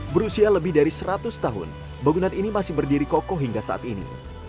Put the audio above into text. berusia lebih dari seratus tahun bangunan ini masih berdiri kokoh hingga saat ini